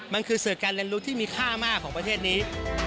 มันคือสื่อการเรียนรู้ที่มีค่ามากของประเทศนี้